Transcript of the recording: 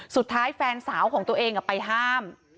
สุดท้ายแฟนสาวของตัวเองไปห้าม